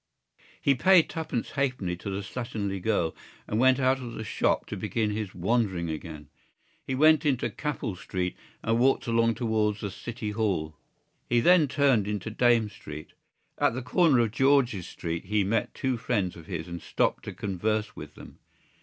He paid twopence halfpenny to the slatternly girl and went out of the shop to begin his wandering again. He went into Capel Street and walked along towards the City Hall. Then he turned into Dame Street. At the corner of George's Street he met two friends of his and stopped to converse with them.